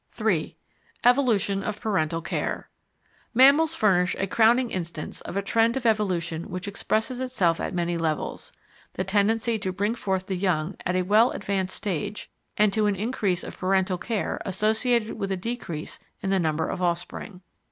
§ 3 Evolution of Parental Care Mammals furnish a crowning instance of a trend of evolution which expresses itself at many levels the tendency to bring forth the young at a well advanced stage and to an increase of parental care associated with a decrease in the number of offspring.